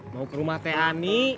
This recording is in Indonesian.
mau ke rumah teh ani